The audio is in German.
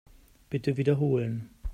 Bitte wiederholen.